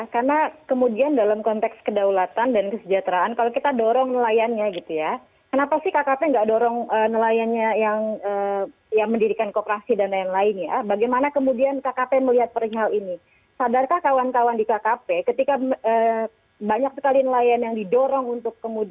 karena kalau kita lihat dari tiga puluh perusahaan tersebut